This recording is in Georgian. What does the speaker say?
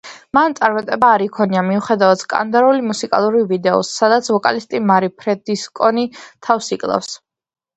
მან წარმატება არ იქონია, მიუხედავად სკანდალური მუსიკალური ვიდეოს, სადაც ვოკალისტი მარი ფრედრიკსონი თავს იკლავს.